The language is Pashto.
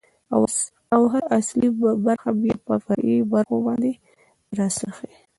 ، او هر اصلي برخه بيا په فرعي برخو باندې را څرخي.